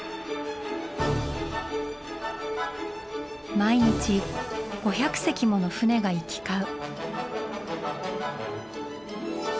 毎日５００隻もの船が行き交う。